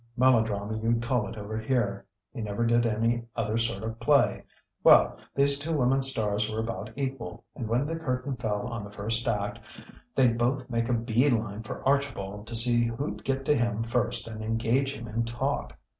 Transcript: Melodrama you'd call it over here. He never did any other sort of play. Well, these two women stars were about equal, and when the curtain fell on the first act they'd both make a bee line for Archibald to see who'd get to him first and engage him in talk.